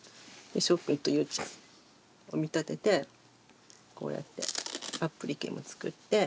しょうくんとゆうちゃんを見立ててこうやってアップリケも作って。